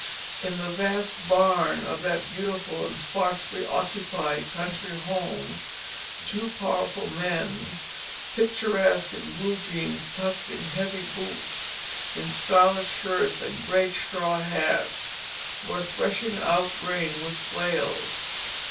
In the vast barn of that beautiful and sparsely occupied country home, two powerful men, picturesque in blue jeans tucked in heavy boots, in scarlet shirts and great straw hats, were threshing out grain with flails.